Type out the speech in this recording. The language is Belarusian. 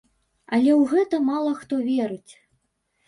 Але ў гэта мала хто верыць.